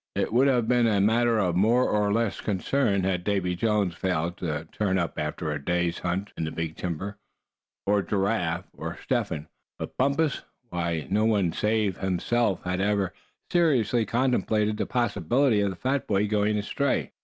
It would have been a matter of more or less concern had Davy Jones failed to turn up after a day's hunt in the big timber, or Giraffe, or Step Hen; but Bumpus, why, no one save himself had ever seriously contemplated the possibility of the fat boy going astray.